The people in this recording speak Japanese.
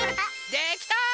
できた！